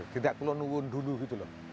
tidak kulonungun dulu gitu loh